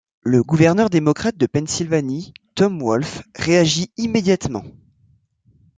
Le gouverneur démocrate de Pennsylvanie, Tom Wolf, réagit immédiatement.